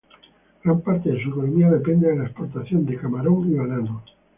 Gran parte de su economía depende de la exportación de camarón y banano.